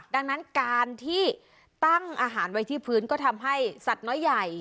ดังนั้นการที่ตั้งอาหารไว้ที่พื้นก็ทำให้สัตว์น้อยใหญ่